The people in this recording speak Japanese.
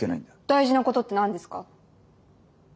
大事なことって何ですか？